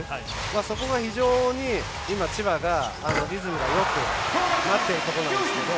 そこが非常に今、千葉がリズムがよくなっているところなんですけど。